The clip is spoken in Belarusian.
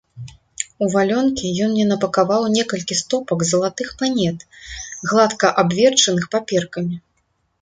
У валёнкі ён мне напакаваў некалькі стопак залатых манет, гладка абверчаных паперкамі.